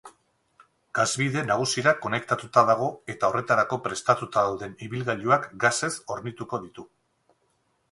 Gasbide nagusira konektatuta dago eta horretarako prestatuta dauden ibilgailuak gasez hornituko ditu.